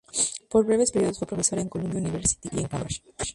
Por breves períodos fue profesor en Columbia University y en Cambridge.